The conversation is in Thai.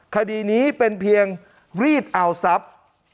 คดีนี้เป็นเพียงรีดเอาทรัพย์